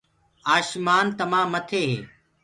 آشمآن تمآ مٿي هي۔